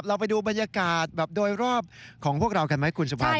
เราไปดูบรรยากาศแบบโดยรอบของพวกเรากันไหมคุณสุพรรณ